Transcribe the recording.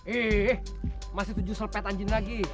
ih masih tujuh sel pet anjin lagi